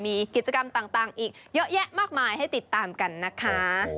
มีกิจกรรมต่างอีกเยอะแยะมากมายให้ติดตามกันนะคะ